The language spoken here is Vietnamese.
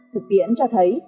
thực tiễn cho thấy